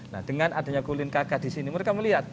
nah dengan adanya kulin kk di sini mereka melihat